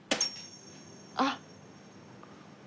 あっ。